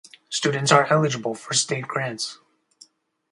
Students are eligible for state grants.